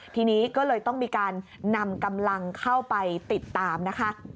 ทีนี้ก็เลยต้องมีการนำกำลังเข้าไปติดตามนะคะ